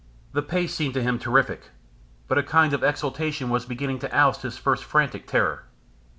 The pace seemed to him terrific, but a kind of exultation was beginning to oust his first frantic terror.